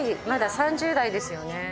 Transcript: まだ３０代ですよね？